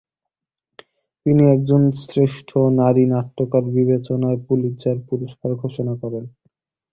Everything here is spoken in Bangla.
তিনি একজন শ্রেষ্ঠ নারী নাট্যকার বিবেচনায় পুলিৎজার পুরস্কার লাভ করেন।